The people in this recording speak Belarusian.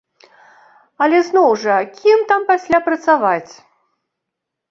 Але зноў жа, кім там пасля працаваць?